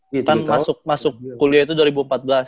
kita masuk kuliah itu dua ribu empat belas